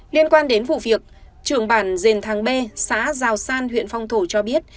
liên quan đến vụ việc trưởng bản dền tháng b xã giao san huyện phong thổ cho biết